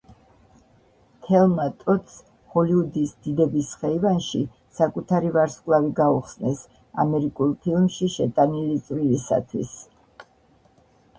თელმა ტოდს ჰოლივუდის დიდების ხეივანში საკუთარი ვარსკვლავი გაუხსნეს ამერიკულ ფილმში შეტანილი წვლილისათვის.